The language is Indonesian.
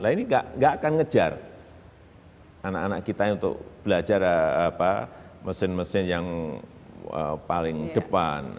ini enggak akan mengejar anak anak kita untuk belajar mesin mesin yang paling depan